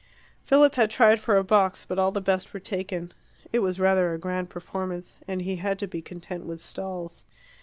Philip had tried for a box, but all the best were taken: it was rather a grand performance, and he had to be content with stalls.